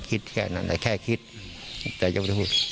คิดแค่นั้นแต่แค่คิดแต่ยังไม่รู้